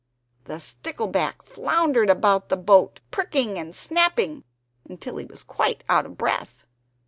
The stickleback floundered about the boat, pricking and snapping until he was quite out of breath.